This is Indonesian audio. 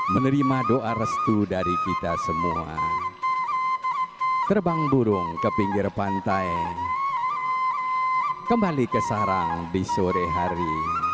menerima doa restu dari kita semua terbang burung ke pinggir pantai kembali ke sarang di sore hari